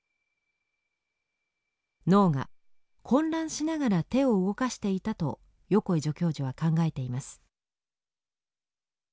脳が混乱しながら手を動かしていたと横井助教授は考えています。